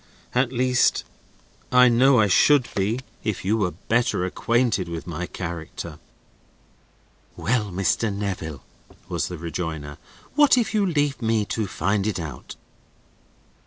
At least I know I should be, if you were better acquainted with my character." "Well, Mr. Neville," was the rejoinder. "What if you leave me to find it out?"